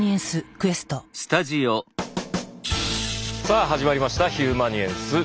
さあ始まりました「ヒューマニエンス」。